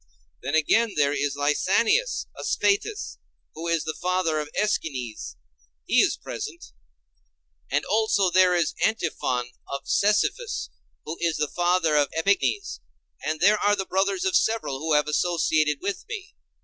Then again there is Lysanias of Sphettus, who is the father of Æschines—he is present; and also there is Antiphon of Cephisus, who is the father of Epignes; and there are the brothers of several who have associated with me.